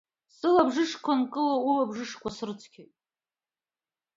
Сылабжышқәа нкыло, улабжышқәа срыцқьоит.